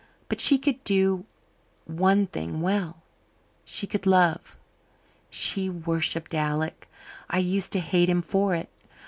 But she could do one thing well she could love. She worshipped Alec. I used to hate him for it.